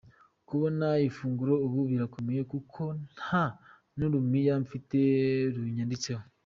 Kubona ifunguro ubu birakomeye, kuko nta n’urumiya mfite runyanditseho.